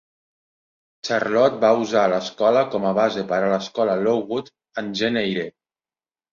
Charlotte va usar l'escola com a base per a l'Escola Lowood en "Jane Eyre".